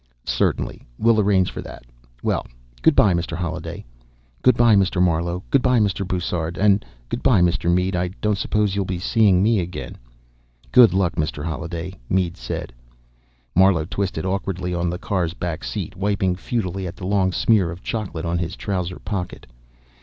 "Certainly. We'll arrange for that. Well, good by, Mr. Holliday." "Good by, Mr. Marlowe. Good by, Mr. Bussard. And good by, Mr. Mead. I don't suppose you'll be seeing me again." "Good luck, Mr. Holliday," Mead said. Marlowe twisted awkwardly on the car's back seat, wiping futilely at the long smear of chocolate on his trouser pocket.